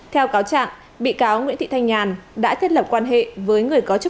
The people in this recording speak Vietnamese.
theo cáo trạng bị cáo nguyễn thị thanh nhàn đã thiết lập quan hệ với người có truy tố